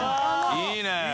いいね！